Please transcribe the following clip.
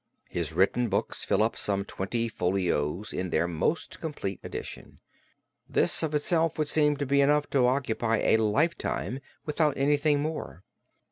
His written books fill up some twenty folios in their most complete edition. This of itself would seem to be enough to occupy a lifetime without anything more.